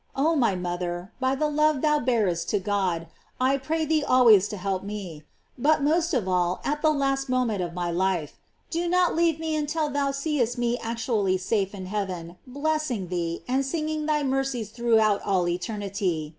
Oh, my mother, by the love thou bearest to God, I pray thee always to help me, but most of all at the last moment of my life. Do not leave me until thou seest me actually safe in heaven, blessing thee, and singing thy mercies throughout all eternity.